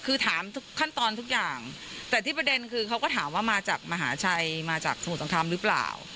คือถามทุกขั้นตอนทุกอย่างแต่ที่ประเด็นคือเขาก็ถามว่ามาจากมหาชัยมาจากสมุทรสงครามหรือเปล่า